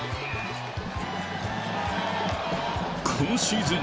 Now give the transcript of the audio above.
今シーズン